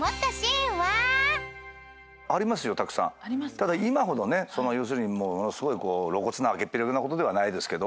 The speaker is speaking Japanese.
ただ今ほどねものすごい露骨な開けっ広げなことではないですけど。